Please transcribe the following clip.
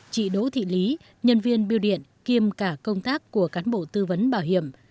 trị đỗ thị lý nhân viên biểu điện kiêm cả công tác của cán bộ tư vấn bảo hiểm